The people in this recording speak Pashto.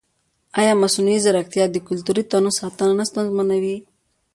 ایا مصنوعي ځیرکتیا د کلتوري تنوع ساتنه نه ستونزمنوي؟